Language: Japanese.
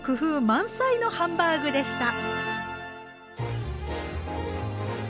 満載のハンバーグでした。